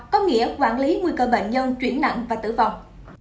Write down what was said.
có nghĩa quản lý nguy cơ bệnh nhân chuyển nặng và tử vong